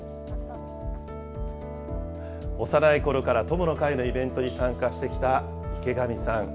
幼いころから友の会のイベントに参加してきた池上さん。